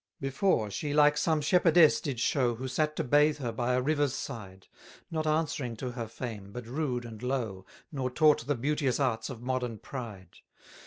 296 Before, she like some shepherdess did show, Who sat to bathe her by a river's side; Not answering to her fame, but rude and low, Nor taught the beauteous arts of modern pride.